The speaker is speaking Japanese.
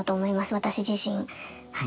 私自身はい。